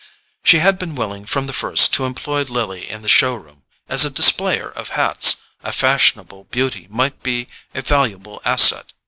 She had been willing from the first to employ Lily in the show room: as a displayer of hats, a fashionable beauty might be a valuable asset.